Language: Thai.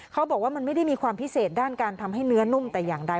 เขาบอกว่ามันไม่ได้มีความพิเศษด้านการทำให้เนื้อนุ่มแต่อย่างใด